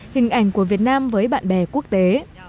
hình ảnh của việt nam với bạn bè quốc tế